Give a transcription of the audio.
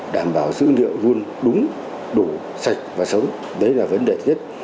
đảm bảo dữ liệu luôn đúng đủ sạch và sống đấy là vấn đề thiết